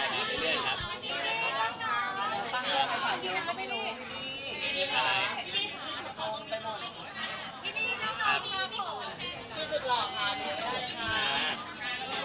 วันหลังเวทีได้เจอกับพี่นี่เป็นไงบ้าง